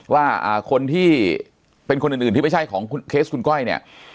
ว่าคนที่เป็นคนอื่นที่ไม่ใช่ของเคสคุณก้อยเนี่ย